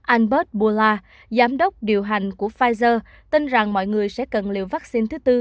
albert bullard giám đốc điều hành của pfizer tin rằng mọi người sẽ cần liều vaccine thứ bốn